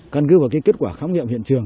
căn cứ vào kết quả khám nghiệm hiện trường